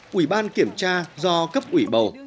quỷ ban kiểm tra do cấp ủy bầu